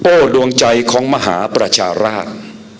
ดวงใจของมหาประชาราช